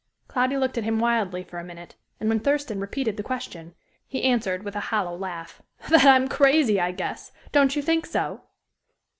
Cloudy looked at him wildly for a minute, and when Thurston repeated the question, he answered with a hollow laugh: "That I am crazy, I guess! don't you think so?"